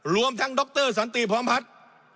รวมทั้งดรสันติพร้อมพัฒน์